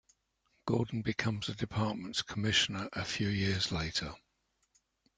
Gordon becomes the department's commissioner a few years later.